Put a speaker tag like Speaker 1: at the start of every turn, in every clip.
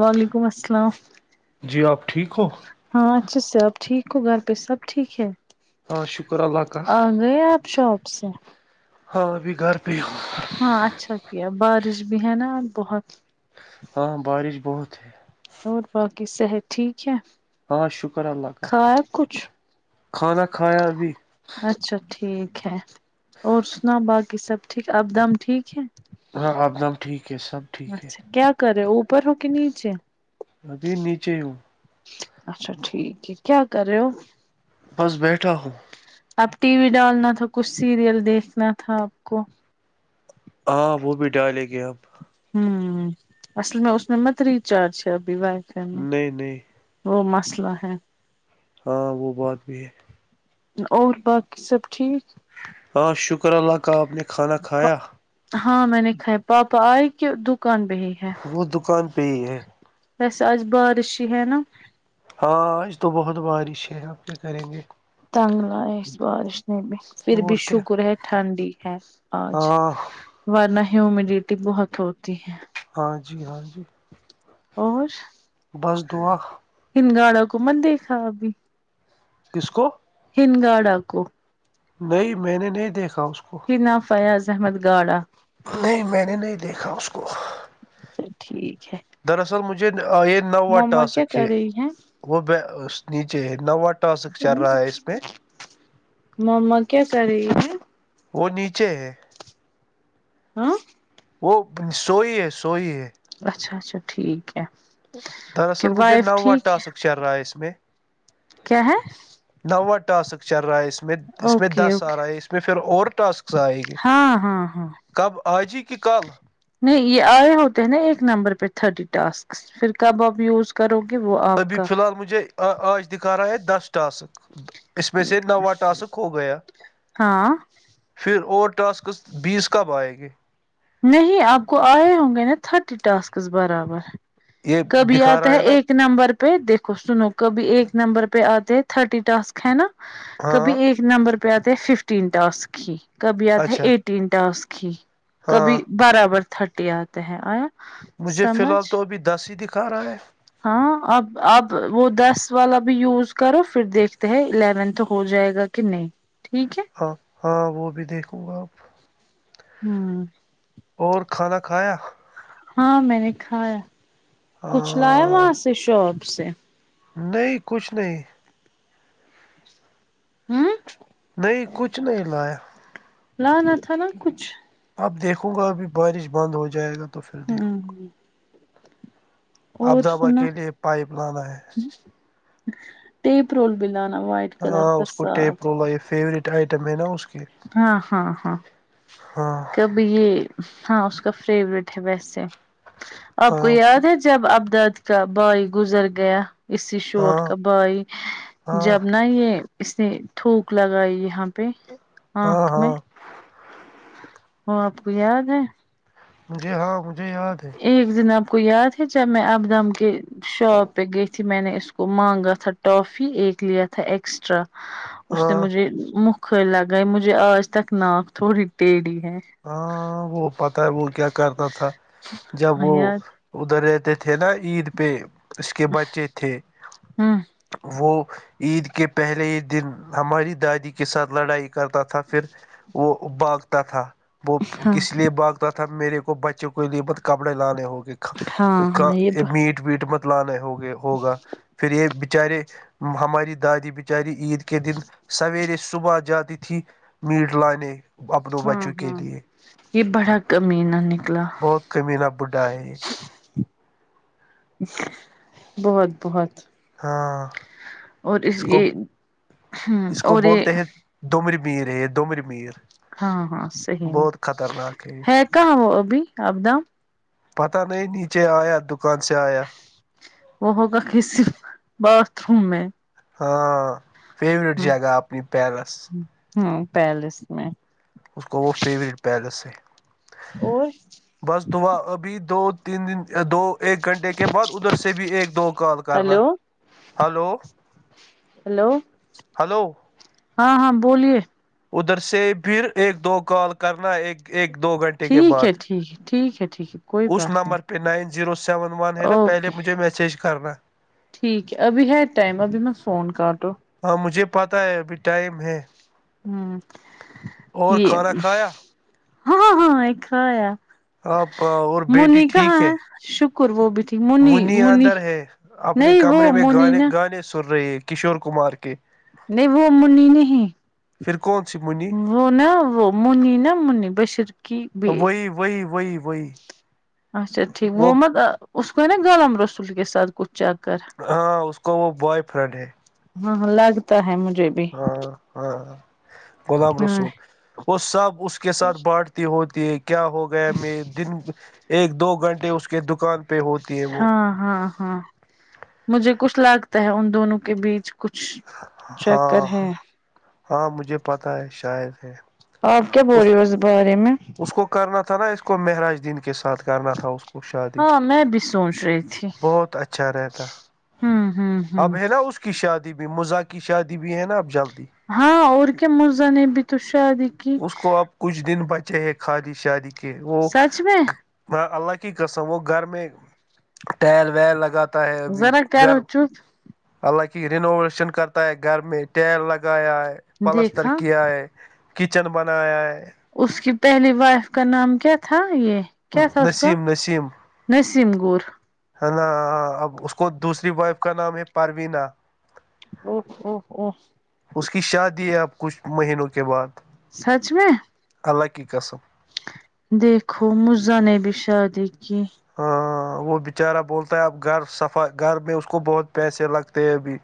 Speaker 1: وعلیکم السلام
Speaker 2: جی آپ ٹھیک ہو
Speaker 1: ہاں اچھا سے آب ٹھیک ہو گھر پہ سب ٹھیک ہے
Speaker 2: ہاں شکر اللہ کا کا
Speaker 1: آ گئے آپ شاپ سے
Speaker 2: ہاں ابھی گھر پہ ہ
Speaker 1: ہاں اچھا کیا بارش بھی ہے نا بہت
Speaker 2: ہاں بارش بہت ہے
Speaker 1: اور باقی صحت ٹھیک ہے
Speaker 2: ہاں شکر اللہ کا
Speaker 1: کھایا کچھ
Speaker 2: کھانا کھایا ابھی
Speaker 1: اچھا ٹھیک ہے اور سنا باقی سب ٹھیک اب دم ٹھیک ہے
Speaker 2: ہاں آپ دم ٹھیک ہے سب ٹھیک ہے
Speaker 1: اچھا کیا کرے اوپر ہو کہ نیچے
Speaker 2: ابھی نیچے ہوں
Speaker 1: اچھا ٹھیک ہے کیا کر رہے ہو
Speaker 2: بس بیٹھا ہوں
Speaker 1: اب ٹی وی ڈالنا تھا کچھ سیریل دیکھنا تھا آپ کو
Speaker 2: ہاں وہ بھی ڈالیں گے ہم
Speaker 1: ہوں اصل میں اس میں مت ریچارج ہے ابھی وائی ف میں
Speaker 2: نہیں نہیں
Speaker 1: وہ مسئلہ ہے
Speaker 2: ہاں وہ بات بھی ہے
Speaker 1: اور باقی سب ٹھیک
Speaker 2: ہاں شکر اللہ کا آپ نے کھانا کھایا
Speaker 1: ہاں میں نے کھائے پاپا آئے کہ دکان بھیہ ہی ہے
Speaker 2: وہ دکان پہ ہی ہے
Speaker 1: ویس آ بارشی ہیں نا
Speaker 2: ہاں آج تو بہت بارش ہے آپ کیا کریں گے
Speaker 1: تنگ لائے اس بارش نے بھی پھر بھی
Speaker 2: اور کیا
Speaker 1: شکر ہے ٹھنڈی ہے آج
Speaker 2: ہاں
Speaker 1: ورنہ ہیومیڈیٹی بہت ہوتی ہے
Speaker 2: ہاں جی ہاں جی بس دعا
Speaker 1: انن گاڑوں کو من دیکھا ابھی
Speaker 2: کس کو
Speaker 1: ہنگاڈ آکو
Speaker 2: نہیں میں نے نہیں دیکھا اس کو
Speaker 1: ن فیاض احمد گاڑا
Speaker 2: نہیں میں نے نہیں دیکھا اس کو
Speaker 1: تو ٹھیک ہے
Speaker 2: دراصل مجھے یہ نوا
Speaker 1: مما کیا
Speaker 2: ٹاسک
Speaker 1: کر
Speaker 2: ہے
Speaker 1: رہی
Speaker 2: وہ نیچے نوا ٹاسک چل رہا ہے اس پ میں
Speaker 1: مما کیا کر رہی
Speaker 2: وہ نیچے ہے
Speaker 1: ہاں
Speaker 2: وہ سو ہی ہے سو ہی ہے
Speaker 1: اچھا اچھا ٹھیک ہے کہ
Speaker 2: دراصل مجھے
Speaker 1: وائف
Speaker 2: نوا
Speaker 1: ٹھیک ہے
Speaker 2: ٹاسک چل رہا ہے اس میں
Speaker 1: کیا ہے
Speaker 2: نوا ٹسک چرائس اس میں اس میں
Speaker 1: اوکے
Speaker 2: دس
Speaker 1: اوکے
Speaker 2: سال آئے اس میں پھر اور ٹاسک آئے گی
Speaker 1: ہاں ہاں ہاں
Speaker 2: کب آجی کہ کال
Speaker 1: نہیں یہ آئے ہوتے ہیں نا ایک نمبر پہ تھرٹی ٹاسک پھر کب آپ یوز کرو گی وہ آپ
Speaker 2: ابھی
Speaker 1: کا
Speaker 2: فی الحال مجھے آج دکھا رہا ہے دس ٹاسک اس میں
Speaker 1: ہے۔
Speaker 2: سے نوا ٹاسک ہو گیا
Speaker 1: ہاں
Speaker 2: پھر اوور ٹاسکس بیس کب آئیں گے
Speaker 1: میں ہی آپ کو آئے ہوں گے نا تھرٹی ٹاسک برابر
Speaker 2: یہ
Speaker 1: کبھی
Speaker 2: دکھا
Speaker 1: آتا
Speaker 2: رہا
Speaker 1: ہے
Speaker 2: نا
Speaker 1: ایک نمبر پہ دیکھو سنو کبھی ایک نمبر پہ آتے ہیں تھرٹی ٹاسک ہے نا کبھی
Speaker 2: ہاں
Speaker 1: ایک نمبر پہ آتے ہیں ففٹین ٹاسک ہی کبھی آتا ہے
Speaker 2: اچھا
Speaker 1: ایٹ تینٹا اس کی کبھی
Speaker 2: ہاں
Speaker 1: برابر تھرٹی آتا ہے آیا
Speaker 2: مجھے فی
Speaker 1: سمجھ
Speaker 2: الحال تو ابھی دس ہی دکھا رہا ہے
Speaker 1: ہاں اب اب وہ دس والا بھی یوز کرو پھر دیکھتے ہیں الیونتھ ہو جائے گا کنے ٹھیک ہے
Speaker 2: ہاں ہاں وہ بھی دیکھوں گا آپ
Speaker 1: ہوں
Speaker 2: اور کھانا کھایا
Speaker 1: ہاں میں نے کھایا کچھ لایا
Speaker 2: ہاں
Speaker 1: وہاں سے شاپ سے
Speaker 2: نہیں کچھ نہیں
Speaker 1: ہوں
Speaker 2: نہیں کچھ نہیں لایا
Speaker 1: لانا تھا نا کچھ
Speaker 2: اب دیکھوں گا ابھی بارش بند ہو جائے گا تو پھر
Speaker 1: ہ ہ
Speaker 2: دیکھوں
Speaker 1: [unintelligible] اور
Speaker 2: ابدابا
Speaker 1: سنا
Speaker 2: کے لیے پائپ لانا ہے
Speaker 1: پرول بھی لانا وجد
Speaker 2: ہاں اس کو ٹیپ رولا یہ فیوریٹ آئٹم ہے نا اس کی
Speaker 1: ہاں ہاں ہاں
Speaker 2: ہاں
Speaker 1: یہ ہاں اس کا فیوریٹ ہے ویسے آپ کو
Speaker 2: ہاں اس
Speaker 1: یاد ہے جب ابداد کا بوائی گزر گیا اسی
Speaker 2: ہاں
Speaker 1: چوٹ کا بھائی
Speaker 2: ہاں
Speaker 1: جب نا یہ اس نے تھوک لگائی یہاں پہ
Speaker 2: ہاں
Speaker 1: آنکھ میں
Speaker 2: ہاں
Speaker 1: وہ آپ کو یاد ہے
Speaker 2: مجھے ہاں مجھے یاد ہے
Speaker 1: ایک دن آپ کو یاد ہے جب میں ابدم کے شاپ پہ گئی میں نے اس کو مانگا تھا ٹافی ایک لیا تھا ایکسٹرا اس نے
Speaker 2: ہاں
Speaker 1: مجھے مکھر لگا مجھے آج تک ناک تھوڑی ٹیڑھی ہے
Speaker 2: ہاں وہ پتا ہے وہ کیا کرتا تھا جب
Speaker 1: ہاں
Speaker 2: وہ
Speaker 1: یار
Speaker 2: ادھر رہتے تھے نا عید پہ اس کے بچے تھے
Speaker 1: ہوں
Speaker 2: وہ عید کے پہلے ہی دن ہماری دادی کے ساتھ لڑائی کرتا تھا تھا پھر وہ باگتا تھا وہ
Speaker 1: ہاں
Speaker 2: کس لیے باگ تھا میرے کو بچوں کے لیے ب کپڑے لانے ہوگ
Speaker 1: ہاں ہاں یہ ب
Speaker 2: میٹ پیٹ مت لانے ہوگے ہوگا پھر یہ بچارے ہماری دادی ب بچاری عید کے دن سویرے صبح جاتی تھی میٹ لانے اپنے
Speaker 1: ہاں
Speaker 2: بچوں کے
Speaker 1: ہاں
Speaker 2: لیے
Speaker 1: یہ بڑا کمین نکلا
Speaker 2: بہت کمی ن بڈھا ہے جی
Speaker 1: بہت بہت
Speaker 2: ہاں
Speaker 1: اور اس یہ ہ اور یہ
Speaker 2: ڈومومری میر ہے ڈومری میر
Speaker 1: ہاں ہاں صحی ہے
Speaker 2: بہت خطرناک
Speaker 1: ہے کہاں وہ ابھی آپد
Speaker 2: پتہ نہیں نیچے آیا دکان سے آیا
Speaker 1: وہ ہوگا کسی باتھ روم میں
Speaker 2: ہاں فیورٹ
Speaker 1: ہوں
Speaker 2: جگہ اپنی پیرس
Speaker 1: ہوں پیلس میں
Speaker 2: اس کا وہ فیورٹ پیلس س
Speaker 1: اور
Speaker 2: بس دعا ابھی دو تین دن دو ایک گھنٹے کے بعد ادھر سے بھی ایک دو کال کرنا
Speaker 1: ہلو
Speaker 2: ہلو
Speaker 1: ہیلو
Speaker 2: ہلو
Speaker 1: ہاں ہاں بولیے
Speaker 2: ادھر سے پھر ایک دو کال کرنا ایک ایک دو گھنٹے کے
Speaker 1: ٹھیک ہے
Speaker 2: بعد
Speaker 1: ٹھیک ہے ٹھیک ہے ٹھیک ہے کوئی
Speaker 2: اس
Speaker 1: بات نہیں
Speaker 2: نمبر پہ نائن زیرو سے سیون ون ہے نا پہلے
Speaker 1: اوکے
Speaker 2: مجھے میسج کرنا
Speaker 1: ٹھیک ہے ابھی ہے ٹائم ابھی میں فون کر رہ ہوں
Speaker 2: ہاں مجھے پتہ ہے ابھی ٹائم ہے
Speaker 1: ہ
Speaker 2: اور
Speaker 1: یہ
Speaker 2: کھانا کھایا
Speaker 1: ہاں ہاں ایکایا
Speaker 2: آپ اور بیٹی ٹھیک ہے
Speaker 1: شکر وہ بھی تھی
Speaker 2: منی اندر ہے اپنے
Speaker 1: نہیں وہ
Speaker 2: کمرے میں
Speaker 1: منی
Speaker 2: گانے
Speaker 1: نا
Speaker 2: گانے سن رہی ہے کشور کمار کے
Speaker 1: نہیں وہ ا منی نہیں
Speaker 2: پھر کون سی منی
Speaker 1: وہ نا وہ منی نا منی بشر کیی ب
Speaker 2: وہ وہی وئی وئی وئی
Speaker 1: اچا ٹھیک وہ متب اسس کوو نا غالام رسول کے ساتھ کھ چکر
Speaker 2: ہاں اس کو وہ بوائے فرینڈ ہے
Speaker 1: ہاں لگتا ہے مجھے بھی
Speaker 2: ہاں ہاں گلاب
Speaker 1: ہاں
Speaker 2: رسول وہ سب اس کے ساتھ بانٹتی ہوتی ہے کیا ہوگا میں دن ایک دو گھنٹے اس کے دکان پہ ہوتی ہے وہ
Speaker 1: ہاں ہاں ہاں مجھے کچھ لگتا ہے ان دونوں کے بیچ کچھ چکر
Speaker 2: ہاں
Speaker 1: ہے
Speaker 2: ہاں مجھے پتہ ہے شار ہے
Speaker 1: آپ کیا بول رہی ہو اس بارے میں
Speaker 2: اس کو کرنا تھا نا اس کو مہراج دین کے ساتھ کرنا تھا اس کو شادی
Speaker 1: ہاں میں بھی سوچ رہی تھی
Speaker 2: بہت اچھا رہتا
Speaker 1: ہوں ہ ہ
Speaker 2: اب ہے نا اس کی شادی بھی مزاق کی شادی بھی ہے نا اب جلدی
Speaker 1: ہاں اور کیا مزان اب تو شادی کی
Speaker 2: اس کو اب کچھ دن بچے ہیں خادی شادی کے وہ
Speaker 1: سچ میں
Speaker 2: ہ اللہ کی قسم وہ گھر میں ٹائیر ویر لگاتا ہے ابھی
Speaker 1: ذرا
Speaker 2: گھر
Speaker 1: کرو چپ
Speaker 2: حالانک رینوویشن کرتا ہے گھر میں ٹیر لگایا ہے پلستر
Speaker 1: دیکھا
Speaker 2: کیا ہے کچن بناائے ہے
Speaker 1: اس کی پہلی وائف کا نام کیا تھا یہ کیا تھا اس کا
Speaker 2: نسیم نسیم
Speaker 1: نسیم گور
Speaker 2: ہے نا اب اس کو دوسری وائف کا نام ہے پروینا
Speaker 1: ا او او
Speaker 2: اس کی شادی ہے آپ کچھ مہینوں کے بعد
Speaker 1: سچ میں
Speaker 2: الگ کی قسم
Speaker 1: دیکھو مرزا نے بھی شادی کی
Speaker 2: ہاں وہ بچارہ بولتا ہے اب گھر صفا گھر میں اس کو بہت پیسے لگتے ہیں ابھی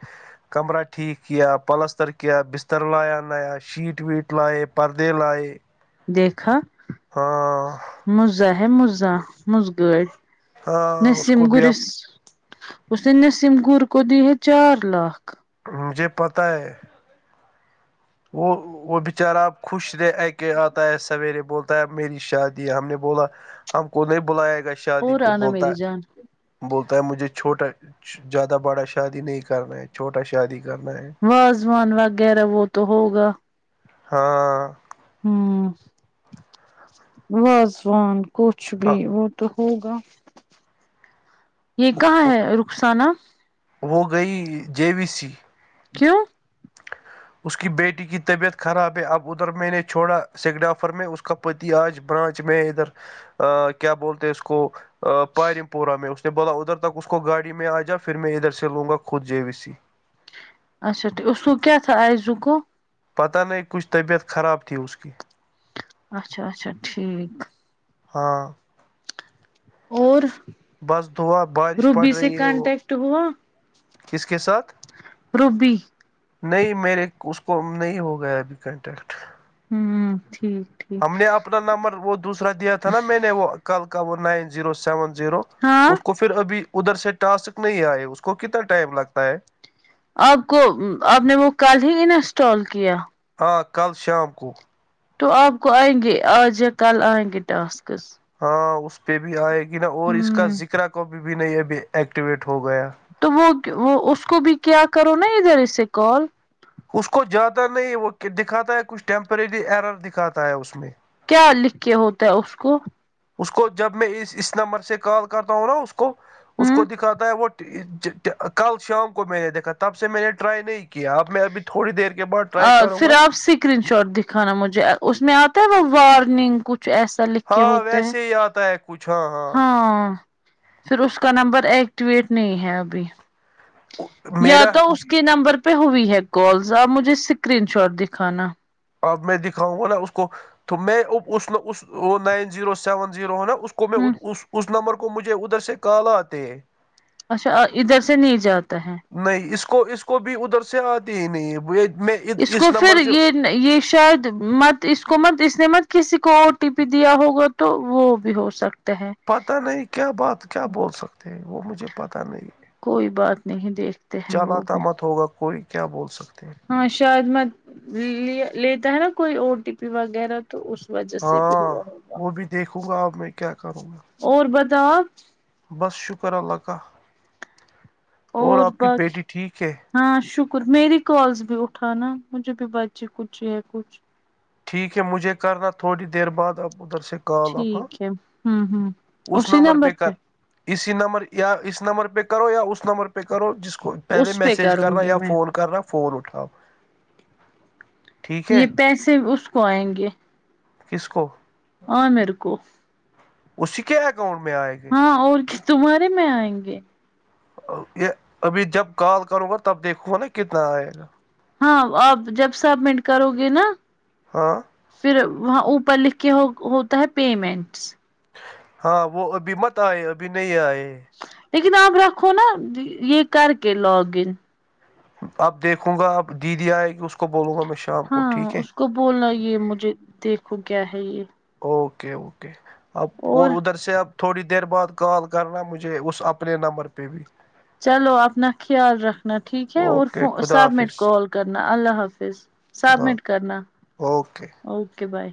Speaker 2: کمرہ ٹھیک کیا پلستر کیا بستر لایا نیا شیٹ ویٹ لائے پردے لائے
Speaker 1: دیکھا
Speaker 2: ہاں
Speaker 1: مزا ہے مزا مزگڑ
Speaker 2: ہاں اس
Speaker 1: نسم
Speaker 2: کو بھی اب
Speaker 1: گرس اس نے نسیم گر کو دی ہے چار لاکھ
Speaker 2: مجھے پتہ ہے وہ وہ بچارہ آپ خوش رہے ا کے آتا ہے سویرے بولتا ہے اب میری شادی ہے ہم نے بولا ہم کو نہیں بلائے گا شادی
Speaker 1: اور
Speaker 2: پہ
Speaker 1: آنا
Speaker 2: بولتا
Speaker 1: میری جان
Speaker 2: بولتا ہے مجھے چھوٹا زیادہ بڑا شادی نہیں کرنا ہے چھوٹا شادی کرنا ہے
Speaker 1: واازوان وغیرہ وہ تو ہوگا
Speaker 2: ہاں
Speaker 1: ہ واازوان کچھ بھی وہ تو ہوگا یہ کہاں ہے رخسانہ
Speaker 2: وہ گئی جے وی سی
Speaker 1: کیوں
Speaker 2: اس کی بیٹی کی طبیعت خراب ہے اب ادھر میں نے چھوڑا سگ ڈ آفر میں اس کا پتی آج برانچ میں ادھر کیا بولتے اس کو پارم پورہ میں اس نے بولا ادھر تک اس کو گاڑی میں آ جا پھر میں ادھر سے لوں گا خود جے وی سی
Speaker 1: اچا ٹھیک اسصو کیا تھا آئے زکو
Speaker 2: پتہ نہیں کچھ طبیعت خراب تھی اس کی
Speaker 1: اچھا اچھا ٹھیک
Speaker 2: ہاں
Speaker 1: اور
Speaker 2: بس دعا بارش پڑ
Speaker 1: روبی سے
Speaker 2: رہی ہے وہ
Speaker 1: کانٹیکٹ ہوا
Speaker 2: کس کے ساتھ
Speaker 1: روبی
Speaker 2: نہیں میرے اس کو نہیں ہو گیا ابھی کانٹیکٹ
Speaker 1: ہوں ٹھیک
Speaker 2: ہم
Speaker 1: ٹھیک
Speaker 2: نے اپنا نمبر وہ دوسرا دیا تھا نا میں نے وہ کل کا وہ نائن زیرو سیون زیرو
Speaker 1: ہاں
Speaker 2: اس کو پھر ابھی ادھر سے ٹاسک نہیں آئے اس کو کتنا ٹائم لگتا ہے
Speaker 1: آپ کو آپ نے وہ کل ہی انسٹال کیا
Speaker 2: آ کل شام کو
Speaker 1: تو آپ کو آئیں گے آج یا کل آئیں گے ٹاسکس
Speaker 2: ہاں اس پہ بھی آئے گی نا اور اس کا
Speaker 1: ہوں
Speaker 2: ذکرا کاپ بھی نہیں ابھی ایکٹیویٹ ہو گیا
Speaker 1: تو وہ وہ اس کو بھی کیا کرو نا ادھر اسے کال
Speaker 2: اس کو جیادا نہیں وہ دکھاتا ہے کچھ ٹیمپریری ایرر دکھاتا ہے اس میں
Speaker 1: کیا لکھ کے ہوتا ہے اس کو
Speaker 2: اس کو جب میں اس اس نمبر سے کال کرتا ہوں نا اس کو اس کو
Speaker 1: ہوں
Speaker 2: دکھاتا ہے وہ کل شام کو میں نے دیکھا تب سے میں نے ٹرائی نہیں کیا اب میں ابھی تھوڑی دیر کے بعد ٹرائی کرو
Speaker 1: پھر
Speaker 2: گا
Speaker 1: آپ اسکرین شاٹ دکھانا مجھے اس میں آتا ہے وہ وارننگ کچھ ایسا لکھ کے
Speaker 2: ہاں
Speaker 1: ہوتا ہے
Speaker 2: ویسے آتا ہے کچھاں ہاں
Speaker 1: ہاں پھر اس کا نمبر ایکٹیویٹ نہیں ہے ابھی یا
Speaker 2: میرا
Speaker 1: تو اس کے نمبر پہ ہوئی ہے کالز آپ مجھے اسکرین شاٹ دکھانا
Speaker 2: اب میں دکھاؤں گا نا اس کو تو میں نائن زیرو سیون زیرو ہے نا اس کو کو میں
Speaker 1: ہ
Speaker 2: اس نمبر کو مجھے ادھر سے کال آتے
Speaker 1: اچھا ادھر سے نہیں جاتا ہے
Speaker 2: نہیں اس کو اس کو بھی ادھر سے آتی ہی نہیں میں
Speaker 1: اس کو
Speaker 2: نمبر
Speaker 1: پھر
Speaker 2: سے
Speaker 1: یہ یہ شاید مت اس کو مت اس نے مت کسی کو او ٹی پی دیا ہوگا تو تو وہ بھی ہو سکتا ہے
Speaker 2: پتہ نہیں کیا بات کیا بول سکتے ہیں وہ مجھے پتہ نہیں
Speaker 1: کوئی بات نہیں دیکھتی
Speaker 2: چالات مت ہوگا کوئی کیا بول سکتے ہیں
Speaker 1: ہاں شاید میں ل لیتا ہے نا کوئی او ٹی پی وغیرہ تو اس وجہ سے بھی
Speaker 2: ہاں
Speaker 1: ہوا ہوگا
Speaker 2: وہ بھی دیکھوں گا اب میں کیا کروں گا
Speaker 1: اور بتاؤ آپ
Speaker 2: بس شکر اللہ کا اور آپ کی بیٹی ٹھیک ہے
Speaker 1: ہاں شکر میری کالس بھی اٹھانا مجھے بھی بچی کچھ ہے کچھ
Speaker 2: ٹھیک ہے مجھے کرنا تھوڑی دیر بعد آپ ادھر سے کال آف ہاں
Speaker 1: ٹھیک ہے ہوں ہوں
Speaker 2: اس
Speaker 1: اسی
Speaker 2: نمبر پ کر
Speaker 1: پہ
Speaker 2: اسی نمبر یا اس نمبر پہ کرو یا اس نمبر پہ کرو جس کو پہلے
Speaker 1: اس پہ
Speaker 2: میسج
Speaker 1: کروں
Speaker 2: کرنا
Speaker 1: گی
Speaker 2: یا
Speaker 1: میں
Speaker 2: فون کرنا فون اٹھاؤ ٹھیک ہے
Speaker 1: یہ پیسے اس کو آئیں گے
Speaker 2: کس کو
Speaker 1: اور میر کوو
Speaker 2: اسی کے اکاؤنٹ میں آئے گا
Speaker 1: ہاں اور تمہارے میں آئیں گے
Speaker 2: یہ ابھی جب کال کروں گا تب دیکھو نا کتنا آئے گا
Speaker 1: ہاں آپ جب سبمٹ کرو گے نا
Speaker 2: ہاں
Speaker 1: پھر وہاں اوپر لکھ کے ہوتا ہے پیمنٹس
Speaker 2: ہاں وہ ابھی مت آئے ابھی نہیں آئے
Speaker 1: لیکن آپ رکھو نا یہ کر کے لاگ ان
Speaker 2: اب دیکھوں گا اب دیدی آئے گی اس کو بولوں گا میں شام کو
Speaker 1: ہاں
Speaker 2: ٹھیک ہے
Speaker 1: اس کو بولنا یہ مجھے دیکھو کیا ہے یہ
Speaker 2: اوکے اوکے اب اور ادھر سے اپ تھوڑی دیر بعد کال کرنا مجھے اس اپنے نمبر پہ بھی
Speaker 1: چلو اپنا خیال رکھنا ٹھیک ہے اور
Speaker 2: اوکے خدا
Speaker 1: سبمٹ
Speaker 2: حافظ
Speaker 1: کال کرنا اللہ حافظ
Speaker 2: خدا
Speaker 1: سبمٹ
Speaker 2: حافظ،
Speaker 1: کرنا
Speaker 2: اوکے
Speaker 1: اوکے بائے